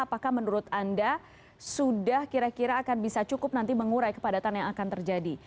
apakah menurut anda sudah kira kira akan bisa cukup nanti mengurai kepadatan yang akan terjadi